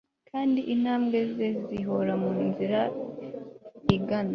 kandi intambwe ze zihora mu nzira igana